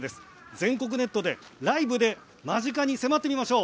全国ネットでライブで間近に迫ってみましょう。